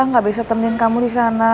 gak bisa temenin kamu di sana